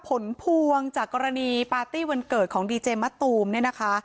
ผลพวงจากกรณีปาร์ตี้วันเกิดของดีเจมะตูมเนี่ยนะคะ